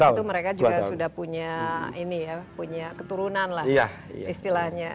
di situ mereka juga sudah punya ini ya punya keturunan lah istilahnya